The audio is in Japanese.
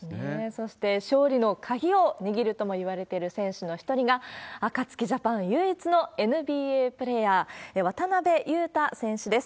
そして、勝利の鍵を握るともいわれている選手の一人が、アカツキジャパン唯一のＮＢＡプレーヤー、渡邊雄太選手です。